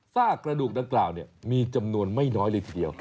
สากกระดูกต่างมีจำนวนไม่น้อยเลยทีเดียว